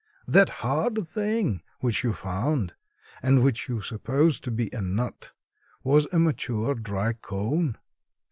"That hard thing which you found, and which you supposed to be a nut, was a mature dry cone.